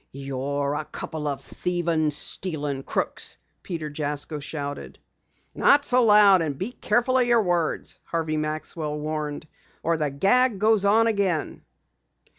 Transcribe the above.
"You're a couple of thievin', stealin' crooks!" Peter Jasko shouted. "Not so loud, and be careful of your words," Harvey Maxwell warned. "Or the gag goes on again."